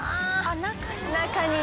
「あっ中に」